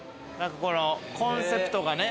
コンセプトがね